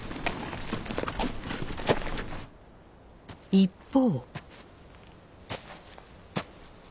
一方。